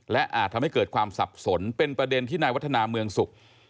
และอาจทำให้เกิดความสับสนเป็นประเด็นที่นายวัฒนาเมืองสุข